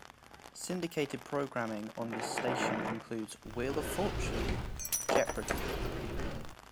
Syndicated programming on this station includes "Wheel of Fortune", "Jeopardy!